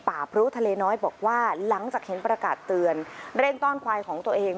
พลุทะเลน้อยบอกว่าหลังจากเห็นประกาศเตือนเร่งต้อนควายของตัวเอง